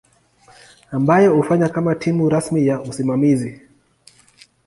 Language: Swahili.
ambayo hufanya kama timu rasmi ya usimamizi.